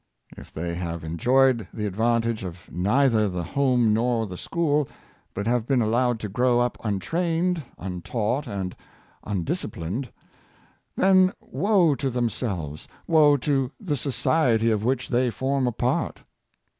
If they have enjoyed the advantage of neither the home nor the school, but have been allowed to grow up untrained, untaught, and undisciplined, then woe to themselves — woe to the society of which they form a part.